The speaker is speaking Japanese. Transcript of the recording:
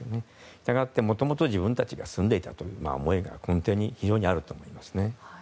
したがって、もともと自分たちが住んでいたという思いが根底に非常にあると思いますね。